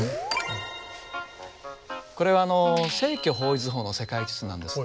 これは正距方位図法の世界地図なんです。